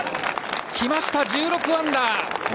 来ました１６アンダー。